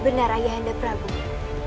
benar raja handa prabowo